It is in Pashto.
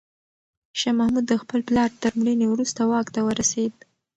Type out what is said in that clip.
شاه محمود د خپل پلار تر مړینې وروسته واک ته ورسېد.